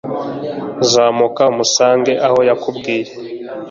zamuka umusange aho yakubwiye